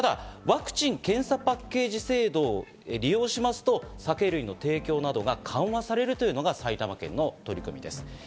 ただワクチン・検査パッケージ制度を利用しますと、酒類の提供などが緩和されるというのが埼玉県の取り組みです。